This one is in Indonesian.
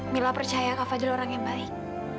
mila percaya kau fadil orang yang baik